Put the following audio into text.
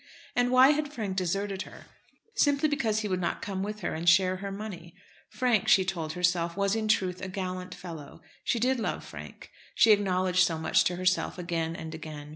And why had Frank deserted her? Simply because he would not come with her and share her money. Frank, she told herself, was, in truth, a gallant fellow. She did love Frank. She acknowledged so much to herself again and again.